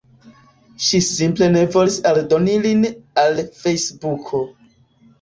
Ŝi simple ne volis aldoni lin al Fejsbuko.